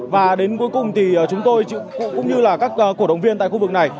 và đến cuối cùng thì chúng tôi cũng như là các cổ động viên tại khu vực này